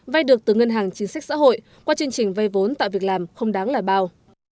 vay được từ ngân hàng chính sách xã hội qua chương trình vay vốn tạo việc làm không đáng là bao